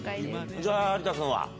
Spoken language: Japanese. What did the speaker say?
じゃあ有田君は？